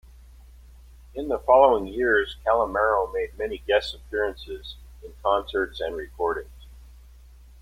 In the following years, Calamaro made many guest appearances in concerts and recordings.